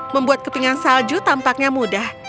membuat kepingan salju tampaknya mudah